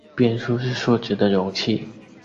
变数是数值的容器。